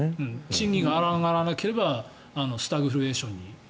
賃金が上がらなければスタグフレーションが。